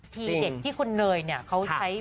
ทีเด็ดที่คุณเนยเนี่ยเขาใช้